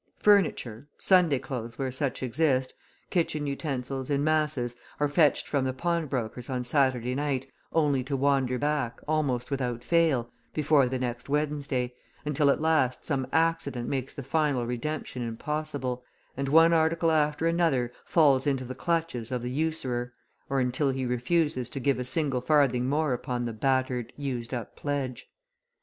Furniture, Sunday clothes where such exist, kitchen utensils in masses are fetched from the pawnbrokers on Saturday night only to wander back, almost without fail, before the next Wednesday, until at last some accident makes the final redemption impossible, and one article after another falls into the clutches of the usurer, or until he refuses to give a single farthing more upon the battered, used up pledge.